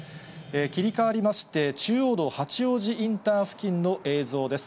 切り替わりまして、中央道八王子インター付近の映像です。